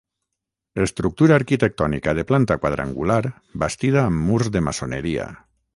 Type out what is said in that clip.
Estructura arquitectònica de planta quadrangular, bastida amb murs de maçoneria.